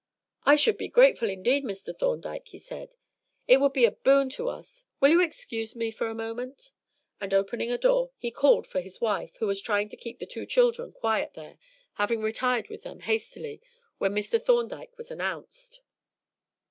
"I should be grateful indeed, Mr. Thorndyke," he said. "It would be a boon to us. Will you excuse me for a moment?" And opening a door, he called for his wife, who was trying to keep the two children quiet there, having retired with them hastily when Mr. Thorndyke was announced.